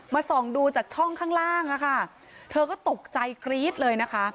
ส่องดูจากช่องข้างล่างอะค่ะเธอก็ตกใจกรี๊ดเลยนะคะ